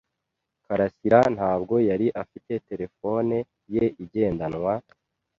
karasira ntabwo yari afite terefone ye igendanwa,